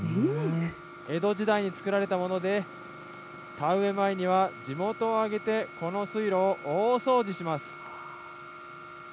江戸時代につくられたもので田植え前には地元をあげてこの水路を大掃除します。